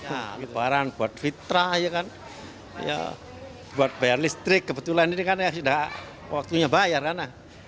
nah kebaran buat fitrah ya kan buat bayar listrik kebetulan ini kan ya sudah waktunya bayar kan